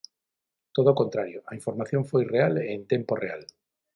Todo o contrario, a información foi real e en tempo real.